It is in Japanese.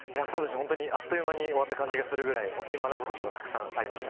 本当にあっという間に終わった感じがするぐらい、本当に学ぶことがたくさんありました。